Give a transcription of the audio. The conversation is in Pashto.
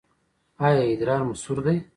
ایا ادرار مو سور دی؟